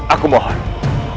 aku mau hampir selesai